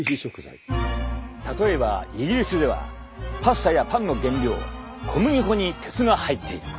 例えばイギリスではパスタやパンの原料小麦粉に鉄が入っている！